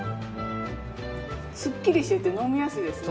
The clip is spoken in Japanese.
すっきりしていて飲みやすいですね。